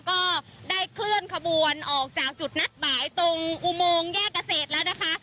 ก็ได้เคลื่อนขบวนออกจากจุดนัดหมายตรงอุโมงแยกเกษตรแล้วนะคะ